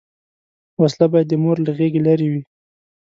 وسله باید د مور له غېږه لرې وي